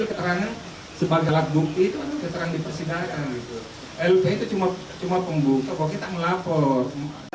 lv itu cuma pembuka kok kita melapor